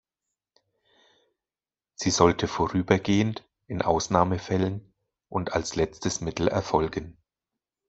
Sie sollte vorübergehend, in Ausnahmefällen und als letztes Mittel erfolgen.